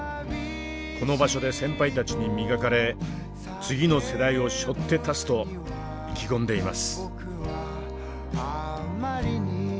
この場所で先輩たちに磨かれ次の世代をしょって立つと意気込んでいます。